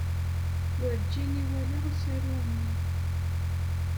Werjin iwala asaru-nni.